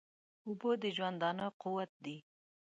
اوبه د ژوندانه قوت دي